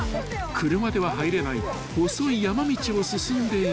［車では入れない細い山道を進んでいく］